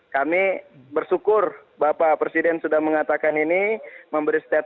kami bersyukur bapak presiden sudah mengatakan ini memberi statement